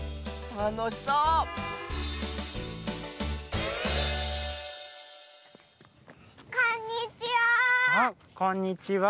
たのしそうこんにちは！